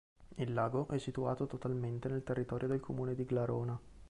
Il lago è situato totalmente nel territorio del comune di Glarona.